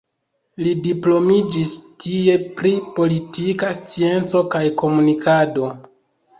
Li diplomiĝis tie pri politika scienco kaj komunikado.